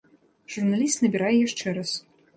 Журналіст набірае яшчэ раз.